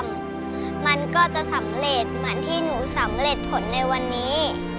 มันก็จะสำเร็จเหมือนที่หนูสำเร็จผลในวันนี้